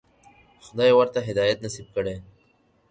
خدای ورته هدایت نصیب کړی.